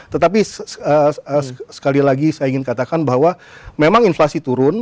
tetapi sekali lagi saya ingin katakan bahwa memang inflasi turun